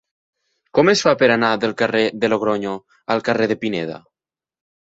Com es fa per anar del carrer de Logronyo al carrer de Pineda?